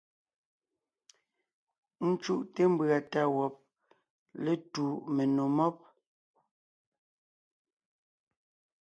Ńcúʼte mbʉ̀a tá wɔb létu menò mɔ́b.